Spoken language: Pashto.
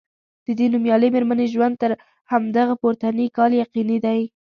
د دې نومیالۍ میرمنې ژوند تر همدغه پورتني کال یقیني دی.